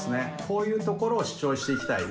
こういうところを主張していきたい